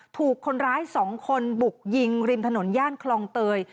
ถูกคนร้าย๒คนบุกยิงริมถนนย่านคลองเตย